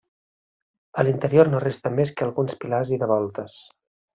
A l'interior no resta més que alguns pilars i de voltes.